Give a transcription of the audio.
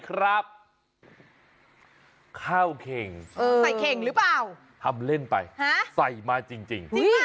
ข้าวเข่งส่ำเล่นไปใส่มาจริง